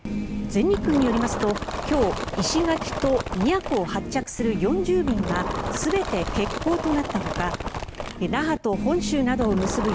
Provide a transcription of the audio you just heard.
全日空によりますと今日、石垣と宮古を発着する４０便が全て欠航となったほか那覇と本州などを結ぶ